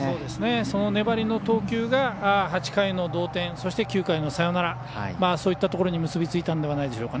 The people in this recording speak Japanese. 粘りの投球が８回の同点そして、９回のサヨナラそういったところに結びついたんじゃないでしょうか。